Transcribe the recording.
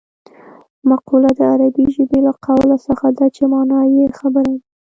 مقوله د عربي ژبې له قول څخه ده چې مانا یې خبره ده